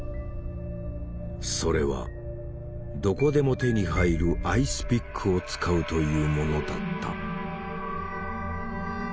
それはどこでも手に入るアイスピックを使うというものだった。